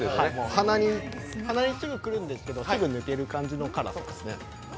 鼻にすぐくるんですけど、抜ける感じの辛さですね。